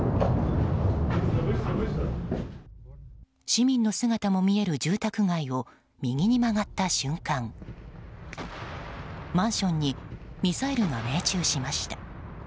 市民の姿も見える住宅街を右に曲がった瞬間マンションにミサイルが命中しました。